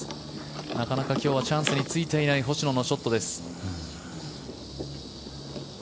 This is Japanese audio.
なかなか今日はチャンスについていない星野のショットです。